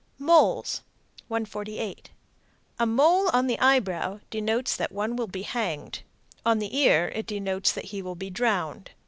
MOLES. 148. A mole on the eyebrow denotes that one will be hanged. On the ear it denotes that he will be drowned.